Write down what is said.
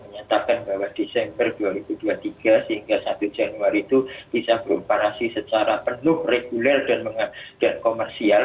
menyatakan bahwa desember dua ribu dua puluh tiga sehingga satu januari itu bisa beroperasi secara penuh reguler dan komersial